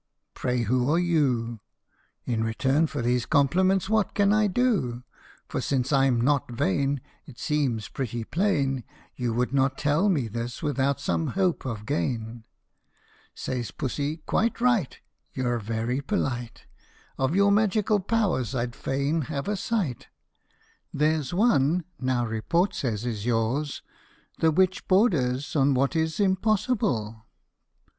Pray who are you f In return for these compliments what can I do ? For since I 'm not vain, it seems pretty plain You would not tell me this without some hope of gain." Says Pussy, " Quite right you 're very polite Of your magical powers I 'd fain have a sight. There 's one now report says is yours, the which borders On what is impossible."